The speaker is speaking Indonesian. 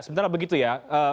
sebentar begitu ya